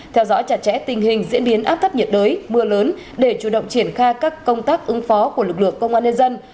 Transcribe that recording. theo dõi chặt chẽ tình hình diễn biến áp thấp nhiệt đới mưa lớn để chủ động triển khai các công tác ứng phó của lực lượng công an nhân dân